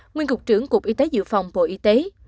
nguyên cục trưởng cục y tế dự phòng bộ y tế